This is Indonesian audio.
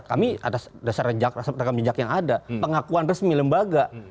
kami ada dasar rejak rekan bijak yang ada pengakuan resmi lembaga